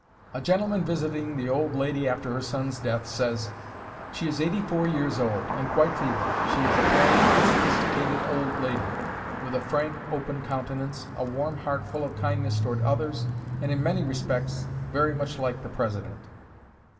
A gentleman visiting the old lady after her son's death says: "She is eighty four years old, and quite feeble. She is a plain, unsophisticated old lady, with a frank, open countenance, a warm heart full of kindness toward others, and in many respects very much like the President.